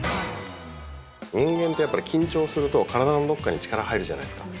人間ってやっぱり緊張すると体のどこかに力が入るじゃないですか。